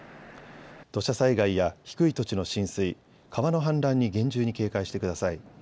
土砂災害や低い土地の浸水、川の氾濫に厳重に警戒してください。